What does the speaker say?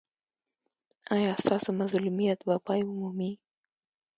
ایا ستاسو مظلومیت به پای ومومي؟